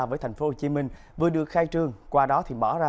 với thành phố hồ chí minh vừa được khai trương qua đó thì bỏ ra